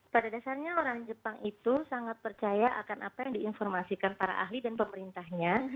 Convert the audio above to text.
pada dasarnya orang jepang itu sangat percaya akan apa yang diinformasikan para ahli dan pemerintahnya